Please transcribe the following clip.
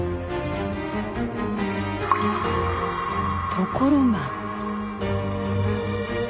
ところが。